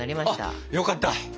あよかった。